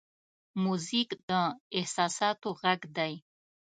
موزیک د احساساتو غږ دی.